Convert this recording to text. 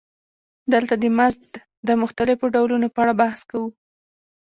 دلته د مزد د مختلفو ډولونو په اړه بحث کوو